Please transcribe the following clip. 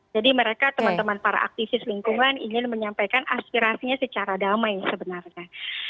jadi mereka teman teman para aktivis lingkungan ingin menyampaikan aspirasinya secara damai sebenarnya